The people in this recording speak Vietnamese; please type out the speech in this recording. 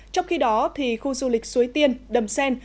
trong khi đó khu du lịch suối tiên đầm sen